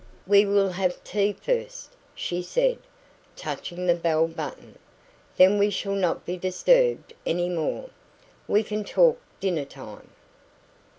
"We will have tea first," she said, touching the bell button. "Then we shall not be disturbed any more. We can talk till dinner time.